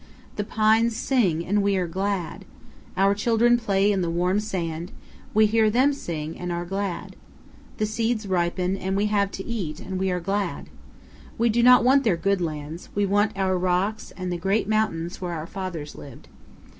The pines sing and we are glad. Our children play in the warm sand; we hear them sing and are glad. The seeds ripen and we have to eat and we are glad. We do not want their good lands; we want our rocks and the great mountains where our fathers lived.